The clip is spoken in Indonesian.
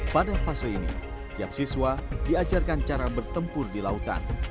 pada fase ini tiap siswa diajarkan cara bertempur di lautan